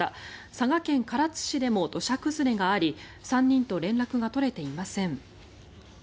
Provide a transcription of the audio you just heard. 佐賀県唐津市でも土砂崩れがあり３人と連絡が取れていません。